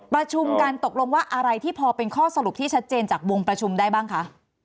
ประชุมกันตกลงว่าอะไรที่พอเป็นข้อสรุปที่ชัดเจนจากวงประชุมได้บ้างคะ